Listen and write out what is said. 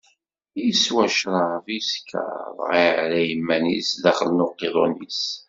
Iswa ccṛab, iskeṛ, dɣa iɛerra iman-is daxel n uqiḍun-is.